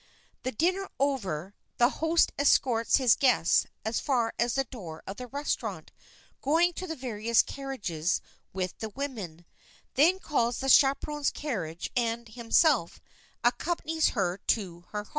The dinner over, the host escorts his guests as far as the door of the restaurant, going to the various carriages with the women, then calls up the chaperon's carriage and, himself, accompanies her to her home.